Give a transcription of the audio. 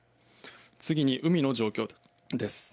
次に海の状況です。